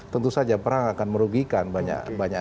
tentu saja perang akan merugikan banyak